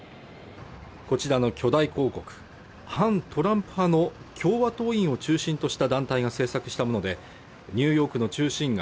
こちらの巨大広告反トランプ派の共和党員を中心とした団体が制作したものでニューヨークの中心街